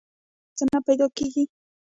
آیا هلته هر څه نه پیدا کیږي؟